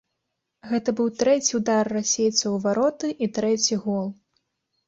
Гэта быў трэці ўдар расейцаў у вароты і трэці гол.